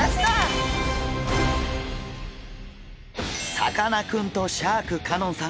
さかなクンとシャーク香音さん